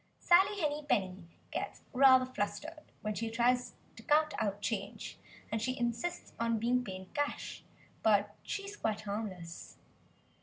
Sally Henny Penny gets rather flustered when she tries to count out change, and she insists on being paid cash; but she is quite harmless.